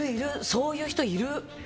そういう人いる！